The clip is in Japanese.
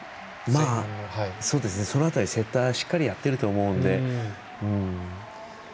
その辺り、セッターがしっかりやっていると思いますので。